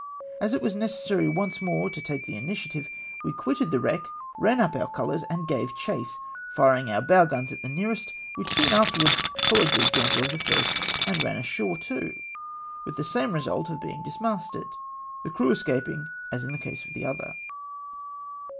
As it was necessary once more to take the initiative, we quitted the ^vreck, ran up om^ colours, and gave chase, firing our bow guns at the nearest, which soon after wards followed the example of the first, and ran ashore CHASE OF THE CORVETTES. 191 too, — with the same result of being dismasted — the crew escaping as in the case of the other.